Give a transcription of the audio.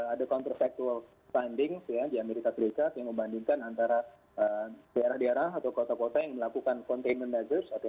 ada counterfactual findings di amerika serikat yang membandingkan antara daerah daerah atau kota kota yang melakukan containment